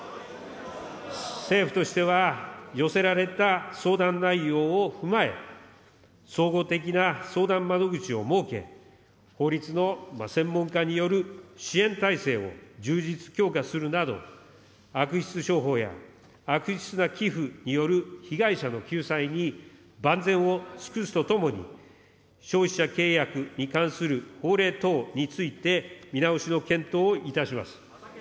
政府としては、寄せられた相談内容を踏まえ、総合的な相談窓口を設け、法律の専門家による支援体制を充実・強化するなど、悪質商法や悪質な寄付による被害者の救済に万全を尽くすとともに、消費者契約に関する法令等について、見直しの検討をいたします。